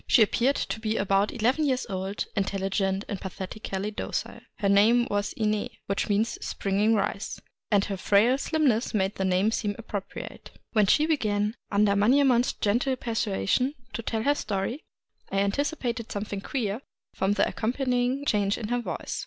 She appeared to be about eleven years old, intelligent, and pathetically docile. Her name was Ine, which means " springing rice ;" and her frail slimness made the name seem appropriate. When she began, under Manyemon' s gentle persuasion, to tell her story, I anticipated some thing queer from the accompanying change in her voice.